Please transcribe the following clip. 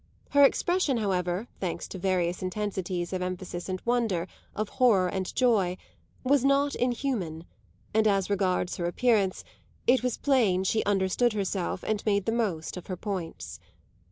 Her expression, however, thanks to various intensities of emphasis and wonder, of horror and joy, was not inhuman, and, as regards her appearance, it was plain she understood herself and made the most of her points.